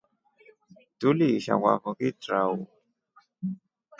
Tuliisha kwafo kitrau.